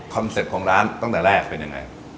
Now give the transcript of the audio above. เป็ปต์ของร้านตั้งแต่แรกเป็นยังไง